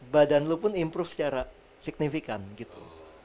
badan lo pun improve secara signifikan gitu